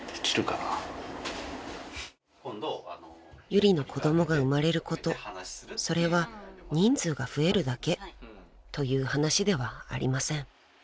［ユリの子供が生まれることそれは人数が増えるだけという話ではありません］